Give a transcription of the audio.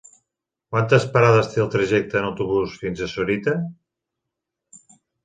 Quantes parades té el trajecte en autobús fins a Sorita?